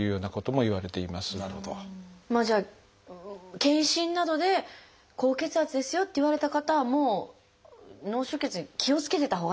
じゃあ健診などで「高血圧ですよ」って言われた方はもう脳出血に気をつけてたほうがいいっていうことですか？